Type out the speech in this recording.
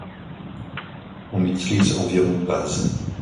On utilise environ bases.